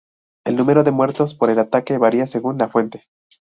El número de muertos por el ataque varía según la fuente.